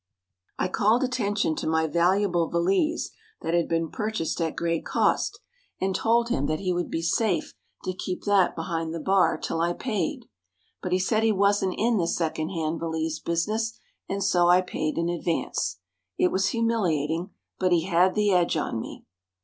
I called attention to my valuable valise that had been purchased at great cost, and told him that he would be safe to keep that behind the bar till I paid; but he said he wasn't in the second hand valise business, and so I paid in advance. It was humiliating, but he had the edge on me.